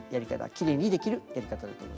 きれいにできるやり方だと思います。